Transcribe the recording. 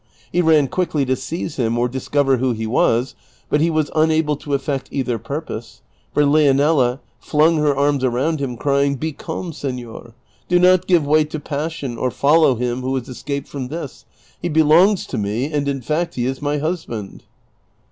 He ran quickly to seize him or discover who he was, but he was unable to eff"ect either purpose, for Leouela flung her arms around him crying, " Be calm, senor ; do not give way to passion or follow him who has escaped from this ; he belongs to me, and in fact he is my husband.'"